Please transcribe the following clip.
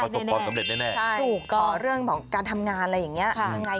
จริงได้แน่ถูกก่อนขอเรื่องของการทำงานอะไรอย่างนี้